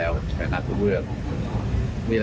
วันนี้เชิงมืคมั้ยคะ